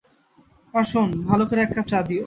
আর শোন, ভালো করে এক কাপ চা দিও!